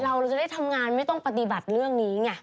เราจะได้ทำงานไม่ต้องปฏิบัติเรื่องนี้ไง